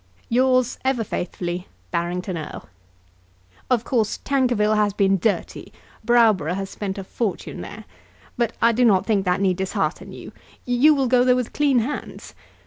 Yours, ever faithfully, BARRINGTON ERLE. Of course Tankerville has been dirty. Browborough has spent a fortune there. But I do not think that that need dishearten you. You will go there with clean hands.